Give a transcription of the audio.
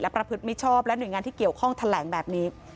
ประพฤติมิชชอบและหน่วยงานที่เกี่ยวข้องแถลงแบบนี้